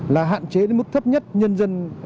là hạn chế đến mức thấp nhất nhân dân